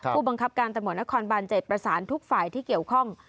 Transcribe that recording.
ผู้บังคับการตำรวจนครบาน๗ประสานทุกฝ่ายที่เกี่ยวข้อง